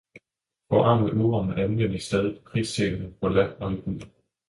Forarmet uran anvendes stadig på krigsscenen, på land og i by.